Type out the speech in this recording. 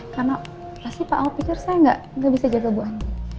karena pasti pak al pikir saya gak bisa jaga buang